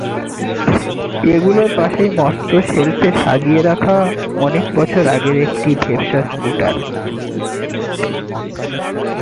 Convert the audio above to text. এগুলোর পাশেই মস্ত শেলফে সাজিয়ে রাখা অনেক বছর আগের একটি ভেসপা স্কুটার।